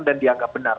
dan dianggap benar